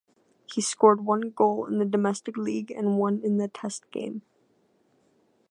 He scored one goal in the domestic league and one in the test game.